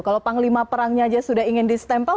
kalau panglima perangnya aja sudah ingin di stempel